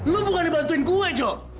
lu bukan dibantuin gua joe